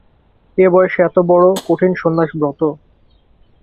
এ বয়সে এতবড়ো কঠিন সন্ন্যাসব্রত!